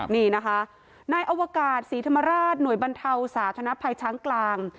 นี่นะคะนายอวกาศศรีธรรมราชหน่วยบรรเทาสาธนภัยช้างกลาง